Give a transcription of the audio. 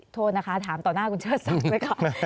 โทษนะคะถามต่อหน้าคุณเชิดสองด้วยค่ะ